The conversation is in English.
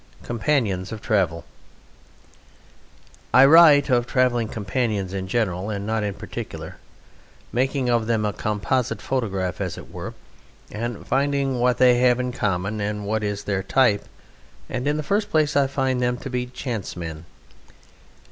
Companions of Travel I write of travelling companions in general, and not in particular, making of them a composite photograph, as it were, and finding what they have in common and what is their type; and in the first place I find them to be chance men.